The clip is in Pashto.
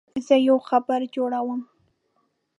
زه یو خبر جوړوم.